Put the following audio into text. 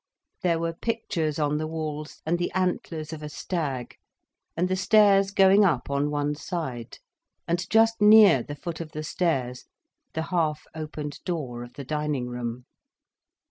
There were pictures on the walls, and the antlers of a stag—and the stairs going up on one side—and just near the foot of the stairs the half opened door of the dining room.